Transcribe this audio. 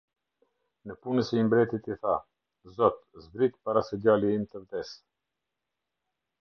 Nëpunësi i mbretit i tha: "Zot, zbrit para se djali im të vdesë".